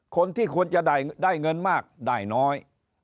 คนที่ควรจะได้เงินมากได้น้อย